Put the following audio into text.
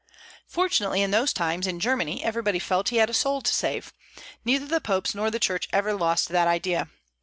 Fortunately, in those times in Germany everybody felt he had a soul to save. Neither the popes nor the Church ever lost that idea.